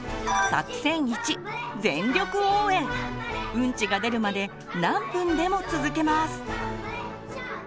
うんちが出るまで何分でも続けます！